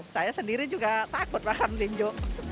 saya sendiri juga takut makan linjo